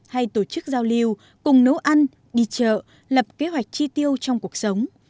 hay tổ chức giao lưu cùng nấu ăn đi chợ lập kế hoạch chi tiêu trong cuộc sống